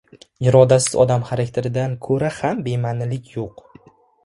Irodasiz odam xarakteridan ko‘ra ham bema’nilik yo‘q.